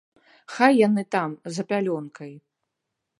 Хай яны там, за пялёнкай.